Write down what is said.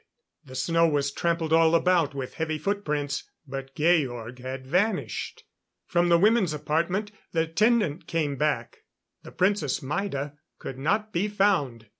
The snow was trampled all about with heavy footprints, but Georg had vanished. From the women's apartment, the attendant came back. The Princess Maida could not be found!